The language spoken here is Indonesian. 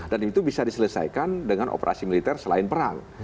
dan itu bisa diselesaikan dengan operasi militer selain perang